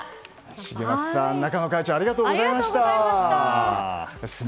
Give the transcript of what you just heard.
重松さん、仲野会長ありがとうございました。